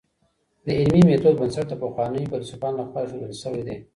د علمي ميتود بنسټ د پخوانیو فيلسوفانو لخوا ايښودل سوی دی.